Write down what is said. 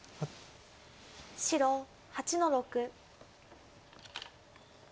白８の六。